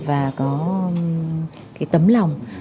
và có tấm lòng